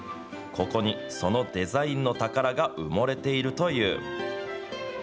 ここに、そのデザインの宝が埋もれているという。